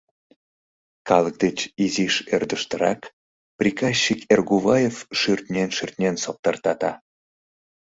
Калык деч изиш ӧрдыжтырак приказчик Эргуваев шӱртнен-шӱртнен соптыртата.